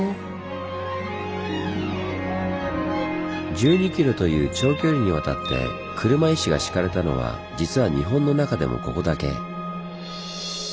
１２ｋｍという長距離にわたって車石が敷かれたのは実は日本の中でもここだけ。